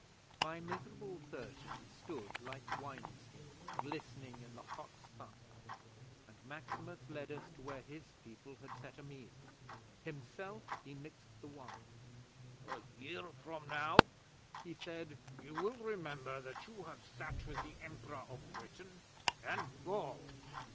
'My miserable thirty stood like wine skins glistening in the hot sun, and Maximus led us to where his people had set a meal. Himself he mixed the wine. '"A year from now," he said, "you will remember that you have sat with the Emperor of Britain and Gaul."